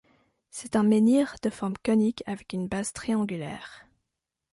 C'est un menhir de forme conique avec une base triangulaire.